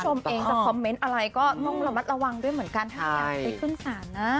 คุณผู้ชมเองจะคอมเมนต์อะไรก็ต้องระมัดระวังด้วยเหมือนกันถ้าอยากไปขึ้นศาลนะ